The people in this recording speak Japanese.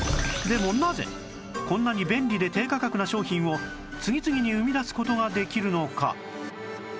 もなぜこんなに便利で低価格な商品を次々に生み出す事ができるのか？